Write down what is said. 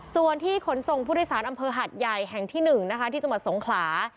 ส่วนที่ขนส่งผู้โดยสารอำเภอหัดใหญ่แห่งที่๑นะคะที่จังหวัดสงขลา